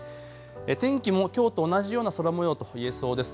天気もきょうと同じような空もようといえそうです。